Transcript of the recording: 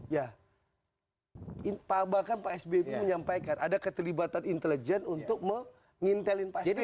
ya bahkan pak sbb menyampaikan ada keterlibatan intelijen untuk mengintelin pak sbb presiden